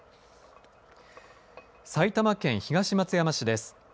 埼玉県東松山市です。